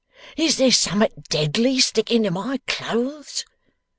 Is there summ'at deadly sticking to my clothes?